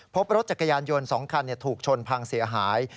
พบรถจักรยานยนต์๒คันถูกชนพังเสียหาย